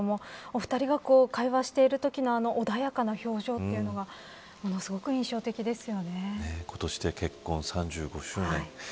お二人が会話しているときの穏やかな表情というのが今年で結婚３５周年。